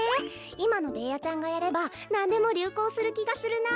いまのベーヤちゃんがやればなんでもりゅうこうするきがするな。